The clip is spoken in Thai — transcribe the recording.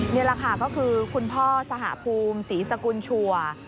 นี่แหละค่ะก็คือคุณพ่อสหภูมิศรีสกุลชัวร์